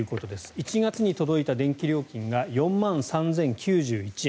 １月に届いた電気料金が４万３０９１円。